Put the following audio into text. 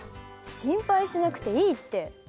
心配しなくていいって。